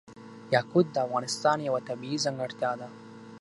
یاقوت د افغانستان یوه طبیعي ځانګړتیا ده.